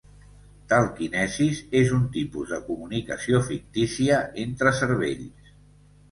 Telkinesis és un tipus de comunicació fictícia entre cervells.